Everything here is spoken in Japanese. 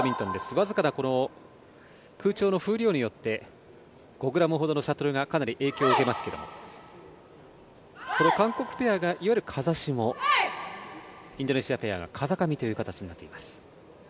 わずかな空調の風量によって５ｇほどのシャトルがかなり影響を受けますけども韓国ペアがいわゆる風下インドネシアペアが風上という形になっています。